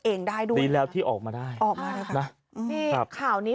เองได้ด้วยดีแล้วที่ออกมาได้ออกมาได้ค่ะนี่ข่าวนี้